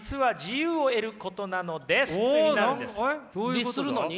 律するのに？